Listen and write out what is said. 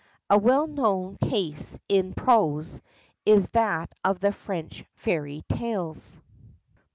A well known case in prose, is that of the French fairy tales.